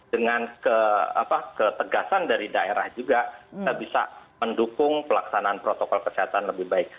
dengan ketegasan dari daerah juga kita bisa mendukung pelaksanaan protokol kesehatan lebih baik